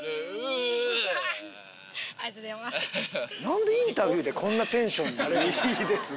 何でインタビューでこんなテンションになれるん？